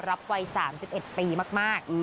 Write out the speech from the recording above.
รับวัย๓๑ปีมาก